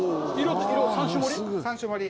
三種盛り？